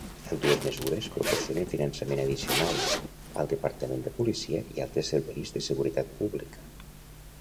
Ambdues mesures proporcionen finançament addicional al departament de policia i a altres serveis de seguretat pública.